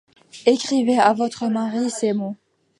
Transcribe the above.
Écrivez à votre mari ces mots...